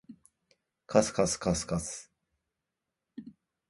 かすかすかすかす